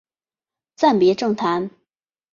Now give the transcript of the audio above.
暂别政坛。